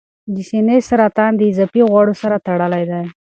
د سینې سرطان د اضافي غوړو سره تړلی دی.